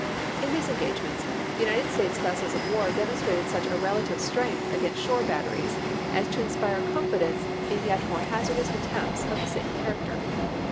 In these engagements the United States vessels of war demonstrated such a relative strength against shore batteries as to inspire con fidence in yet more hazardous attempts of the same character.